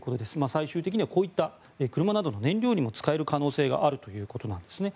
最終的にはこういった車などの燃料にも使える可能性があるということなんですね。